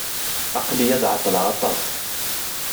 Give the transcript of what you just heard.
Aql-iyi ad ɛeṭṭleɣ aṭas.